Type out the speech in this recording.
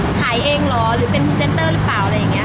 ฉายเองเหรอหรือเป็นพรีเซนเตอร์หรือเปล่าอะไรอย่างนี้